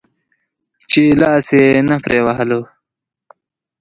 چې لاس يې نه پرې وهلو.